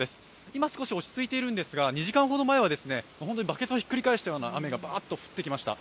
今少し落ち着いているんですが２時間ほど前は本当にバケツをひっくり返したような雨がバーッと降ってきました。